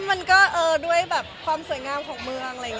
ค่ะมันก็ด้วยความสวยงามของเมือง